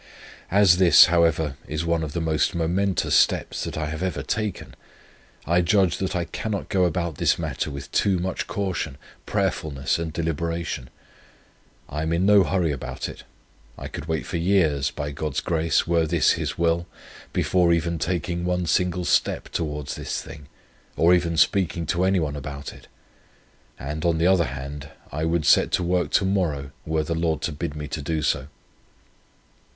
"As this, however, is one of the most momentous steps that I have ever taken, I judge that I cannot go about this matter with too much caution, prayerfulness, and deliberation. I am in no hurry about it. I could wait for years, by God's grace, were this His will, before even taking one single step towards this thing, or even speaking to anyone about it; and, on the other hand, I would set to work to morrow, were the Lord to bid me do so.